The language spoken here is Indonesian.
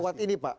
lewat ini pak